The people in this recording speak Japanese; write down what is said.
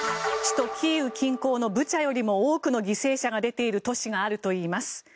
首都キーウ近郊のブチャよりも多くの犠牲者が出ている都市があるといいます。